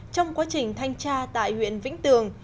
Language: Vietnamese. trong quá trình thanh tra tại huyện vĩnh tường